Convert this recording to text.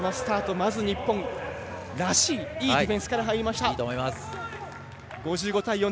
まず日本らしいいいディフェンスから入りました。